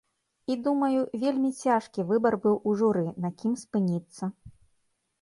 І думаю, вельмі цяжкі выбар быў у журы, на кім спыніцца.